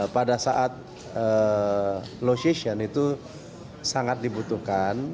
pada saat low season itu sangat dibutuhkan